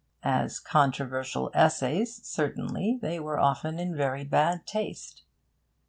As controversial essays, certainly, they were often in very bad taste.